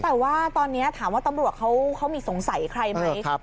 แต่ว่าตอนนี้ถามว่าตำรวจเขามีสงสัยใครไหม